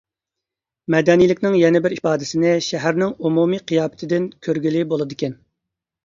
مەدەنىيلىكنىڭ يەنە بىر ئىپادىسىنى شەھەرنىڭ ئومۇمىي قىياپىتىدىن كۆرگىلى بولىدىكەن.